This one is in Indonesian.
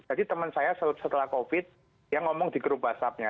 jadi teman saya setelah covid dia ngomong di grup whatsapp nya